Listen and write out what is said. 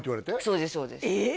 そうですそうですえ！